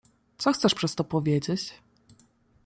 "Co chcesz przez to powiedzieć?"